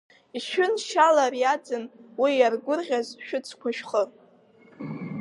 Ишәын шьала ари аӡын, уи иаргәырӷьаз, шәыцқәа шәхы!